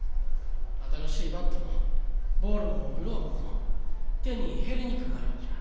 新しいバットもボールもグローブも手に入りにくうなりょんじゃあ。